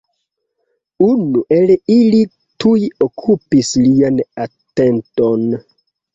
Unu el ili tuj okupis lian atenton.